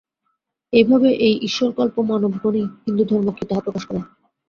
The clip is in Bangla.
এইভাবে এই ঈশ্বরকল্প মানবগণই হিন্দুধর্ম কি, তাহা প্রকাশ করেন।